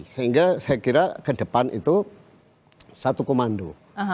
sehingga saya kira ke depan itu satu komando